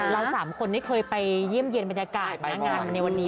เรา๓คนที่เคยไปเยี่ยมเย็นบรรยากาศมาก่อนในวันนี้